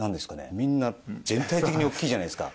みんな全体的に大きいじゃないですか。